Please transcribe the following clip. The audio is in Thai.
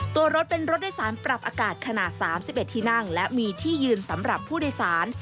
ตัวรถเป็นรถโดยสารปรับอากาศขนาด๓๑ที่นั่งและมีที่ยืนสำหรับผู้โดยสาร